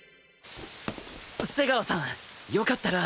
瀬川さんよかったら。